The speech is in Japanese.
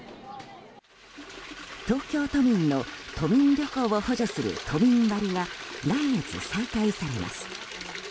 東京都民の都民旅行を補助する都民割が来月再開されます。